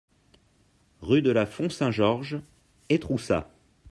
Rue de la Font Saint-Georges, Étroussat